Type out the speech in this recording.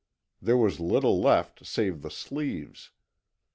There was little left save the sleeves.